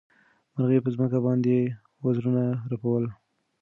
مرغۍ په ځمکه باندې وزرونه رپول.